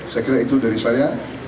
saya kira itu dari saya